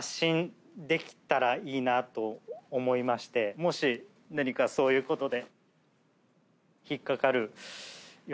もし何かそういうことで。